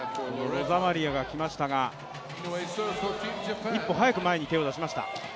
ロザマリアが来ましたが、一歩早く前に手を出しました。